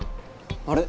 あれ？